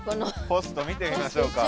ポスト見てみましょうか。